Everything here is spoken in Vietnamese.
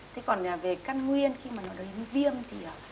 thế còn về căn nguyên khi mà nói đến viêm thì